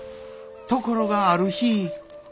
ところがある日。